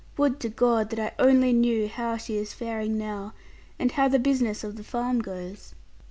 Would to God that I only knew how she is faring now, and how the business of the farm goes!'